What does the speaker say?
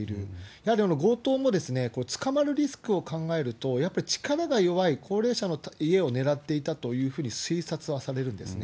やはり強盗も、捕まるリスクを考えると、やっぱり力が弱い高齢者の家を狙っていたというふうに推察はされるんですね。